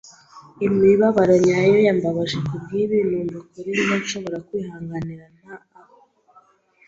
imibabaro nyayo yambabaje, kubwibi, numvaga kuri njye, nshobora kwihanganira nta a